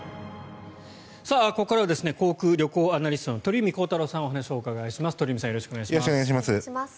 ここからは航空・旅行アナリストの鳥海高太朗さんにお話をお伺いします。